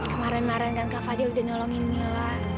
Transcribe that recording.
kemaren maren kan kak fadil udah nolongin mila